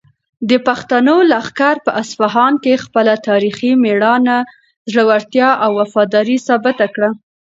د پښتنو لښکر په اصفهان کې خپله تاریخي مېړانه، زړورتیا او وفاداري ثابته کړه.